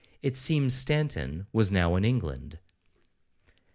It seems Stanton was now in England.